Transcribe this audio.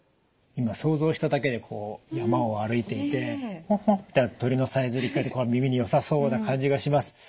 今想像しただけでこう山を歩いていてホッホッて鳥のさえずり聞こえてこう耳によさそうな感じがします。